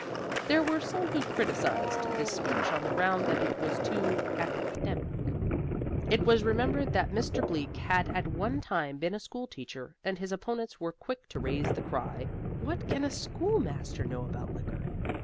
There were some who criticized this speech on the ground that it was too academic. It was remembered that Mr. Bleak had at one time been a school teacher, and his opponents were quick to raise the cry "What can a schoolmaster know about liquor?"